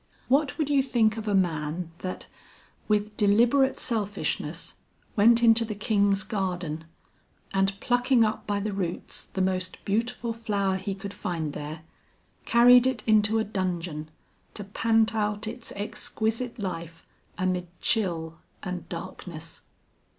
What would you think of a man that, with deliberate selfishness, went into the king's garden, and plucking up by the roots the most beautiful flower he could find there, carried it into a dungeon to pant out its exquisite life amid chill and darkness?"